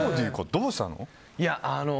どうしたの？